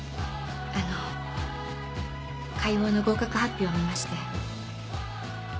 あの海王の合格発表を見まして。